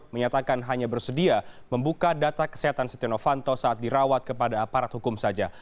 menyatakan hanya bersedia membuka data kesehatan setia novanto saat dirawat kepada aparat hukum saja